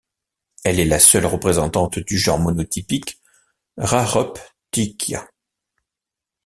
Elle est la seule représentante du genre monotypique Rareuptychia.